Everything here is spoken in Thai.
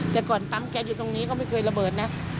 แต่ก่อนปั๊มแก๊สอยู่ตรงนี้ก็ไม่เคยระเบิดนะ